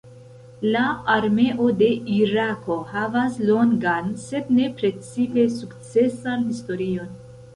La armeo de Irako havas longan sed ne precipe sukcesan historion.